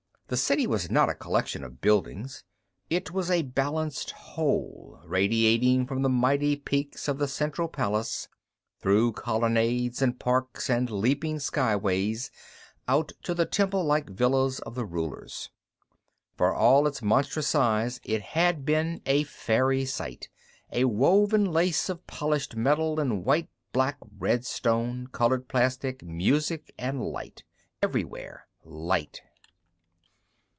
The city was not a collection of buildings; it was a balanced whole, radiating from the mighty peaks of the central palace, through colonnades and parks and leaping skyways, out to the temple like villas of the rulers. For all its monstrous size, it had been a fairy sight, a woven lace of polished metal and white, black, red stone, colored plastic, music and light everywhere light.